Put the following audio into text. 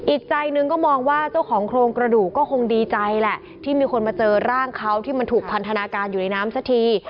อีกใจหนึ่งก็มองว่าเจ้าของโครงกระดูกก็คงดีใจแหละที่มีคนมาเจอร่างเขาที่มันถูกพันธนาการอยู่ในน้ำสักที